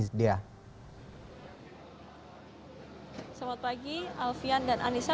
selamat pagi alfian dan anissa